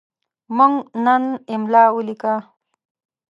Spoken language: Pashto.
موږ نن املا ولیکه.